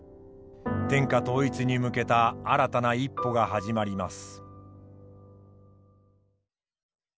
天下統一に向けた新たな一歩が始まります。